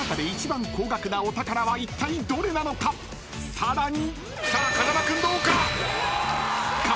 ［さらに］